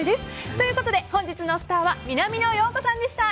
ということで、本日のスターは南野陽子さんでした。